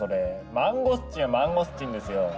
マンゴスチンはマンゴスチンですよ！